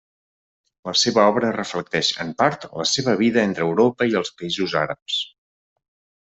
La seva obra reflecteix, en part, la seva vida entre Europa i els països àrabs.